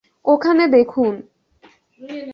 ওখানে দেখুন।